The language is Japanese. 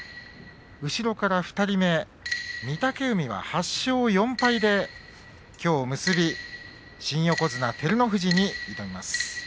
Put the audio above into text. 後ろから２人目御嶽海は８勝４敗できょう結び新横綱照ノ富士に挑みます。